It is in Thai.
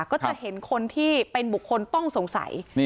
ก็จะเห็นคนที่เป็นบุคคลต้องสงสัย